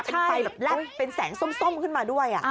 เป็นไฟแบบแลบเป็นแสงส้มขึ้นมาด้วย